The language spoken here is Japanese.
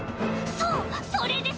そうそれです